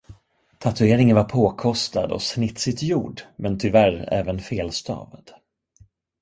Tatueringen var påkostad och snitsigt gjord, men tyvärr även felstavad.